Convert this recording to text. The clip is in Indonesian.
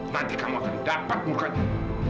nanti kamu akan dapat mukanya